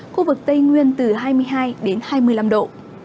khu vực tây nguyên từ hai mươi hai đến hai mươi năm độ